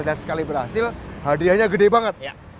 dan sekali berhasil hadiahnya gede banget